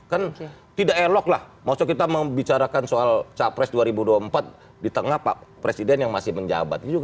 kan tidak elok lah maksudnya kita membicarakan soal capres dua ribu dua puluh empat di tengah pak presiden yang masih menjabat